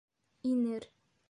Инер.